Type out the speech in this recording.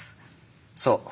そう。